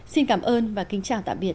xin cảm ơn và kính chào tạm biệt